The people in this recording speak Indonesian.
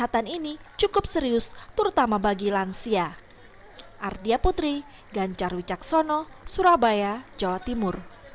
meski tidak seganas delta yang mengakibatkan kematian gangguan kesehatan ini cukup serius terutama bagi lansia